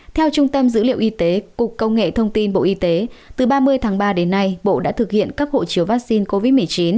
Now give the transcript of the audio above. theo trung tâm dữ liệu y tế cục công nghệ thông tin bộ y tế từ ba mươi tháng ba đến nay bộ đã thực hiện cấp hộ chiếu vaccine covid một mươi chín